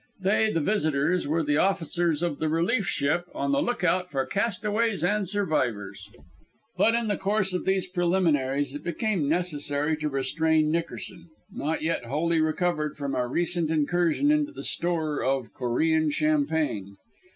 They, the visitors, were the officers of the relief ship on the lookout for castaways and survivors. But in the course of these preliminaries it became necessary to restrain Nickerson not yet wholly recovered from a recent incursion into the store of Corean champagne.